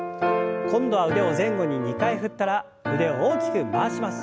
今度は腕を前後に２回振ったら腕を大きく回します。